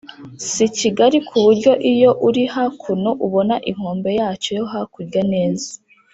si kigari ku buryo iyo uri hakuno ubona inkombe yacyo yo hakurya neza